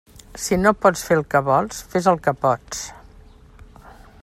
Si no pots fer el que vols, fes el que pots.